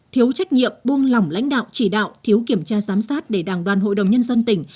thiếu trách nhiệm buông lỏng lãnh đạo chỉ đạo thiếu kiểm tra giám sát để đảng đoàn hội đồng nhân dân tỉnh